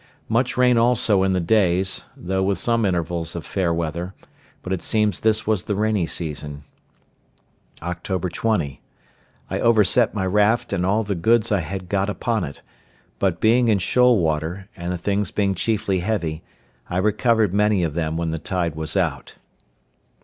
Much rain also in the days, though with some intervals of fair weather; but it seems this was the rainy season. Oct. 20.—I overset my raft, and all the goods I had got upon it; but, being in shoal water, and the things being chiefly heavy, I recovered many of them when the tide was out.